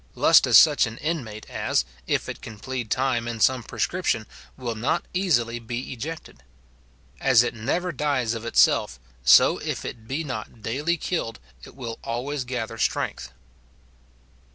Lust is such an inmate as, if it can plead time and some prescription, will not easily be ejected. As it never dies of itself, so if it be not daily killed it will always gather strength.